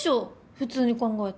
普通に考えて。